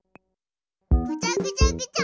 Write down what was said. ぐちゃぐちゃぐちゃ。